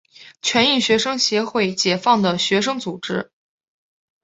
全印学生协会解放的学生组织。